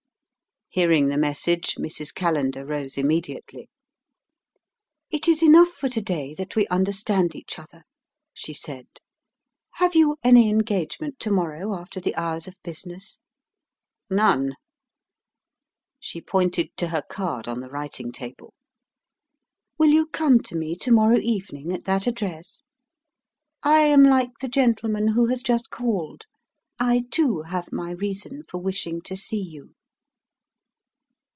Hearing the message, Mrs. Callender rose immediately. "It is enough for to day that we understand each other," she said. "Have you any engagement to morrow after the hours of business?" "None." She pointed to her card on the writing table. "Will you come to me to morrow evening at that address? I am like the gentleman who has just called: I too have my reason for wishing to see you."